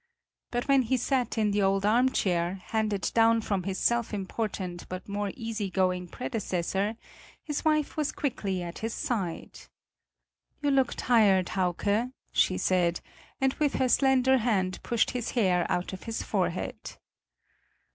But when he sat in the old armchair, handed down from his self important but more easy going predecessor, his wife was quickly at his side: "You look tired, Hauke, she said, and with her slender hand pushed his hair out of his forehead.